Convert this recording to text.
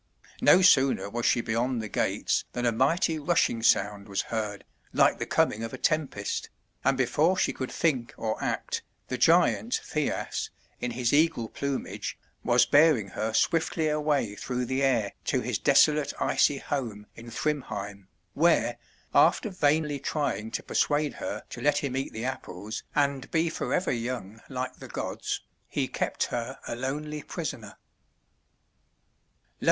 No sooner was she beyond the gates than a mighty rushing sound was heard, like the coming of a tempest, and before she could think or act, the giant Thjasse, in his eagle plumage, was bearing her swiftly away through the air to his desolate, icy home in Thrymheim, where, after vainly trying to persuade her to let him eat the Apples and be forever young like the gods, he kept her a lonely prisoner.